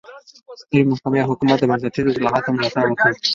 سترې محکمې او حکومت د بنسټیزو اصلاحاتو ملاتړ وکړ.